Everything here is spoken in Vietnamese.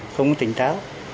không tỉnh táo